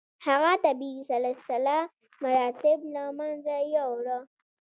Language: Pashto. هغه طبیعي سلسله مراتب له منځه یووړه.